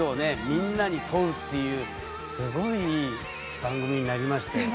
みんなに問うっていうすごいいい番組になりましたよ。